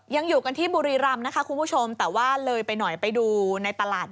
ยังอยู่กันที่บุรีรำนะคะคุณผู้ชมแต่ว่าเลยไปหน่อยไปดูในตลาด